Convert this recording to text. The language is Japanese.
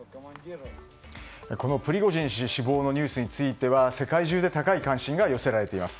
このプリゴジン氏死亡のニュースについては世界中で高い関心が寄せられています。